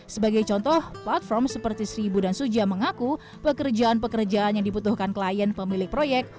sebagai contoh platform seperti seribu dan suja mengaku pekerjaan pekerjaan yang diputuhkan klien pemilik proyek